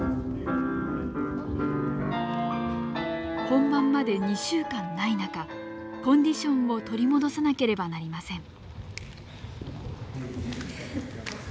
本番まで２週間ない中コンディションを取り戻さなければなりません。